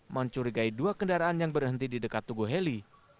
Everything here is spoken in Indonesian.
mencurigai dua kendaraan yang berhenti di dekat tugu heli